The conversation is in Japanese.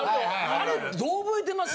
あれどう覚えてます？